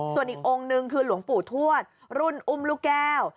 ส่วนอีกองค์นึงคือหลวงปู่ทวดรุ่นอุ้มลูกแก้ว